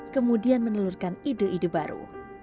kemudian menelurkan ide ide baru